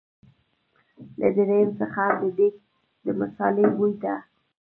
له دريم څخه هم د دېګ د مثالې بوی ته.